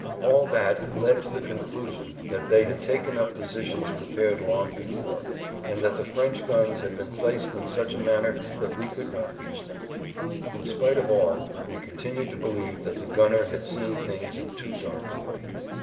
All that led to the [Pg 88]conclusion that they had taken up positions prepared long before, and that the French guns had been placed in such a manner that we could not reach them. In spite of all we continued to believe that the gunner had seen things in too dark a light.